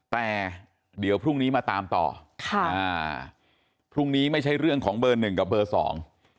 แต่เดี๋ยวพรุ่งนี้มาตามต่อค่ะอ่าพรุ่งนี้ไม่ใช่เรื่องของเบอร์หนึ่งกับเบอร์สอง